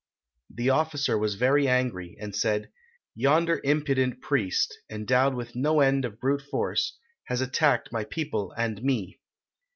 The officer was very angry, and said, 'Yonder impudent priest, endowed with no end of brute force, has attacked my people and me.'